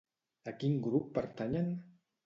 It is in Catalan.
A quin grup pertanyen?